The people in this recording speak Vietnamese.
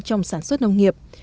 trong sản xuất nông nghiệp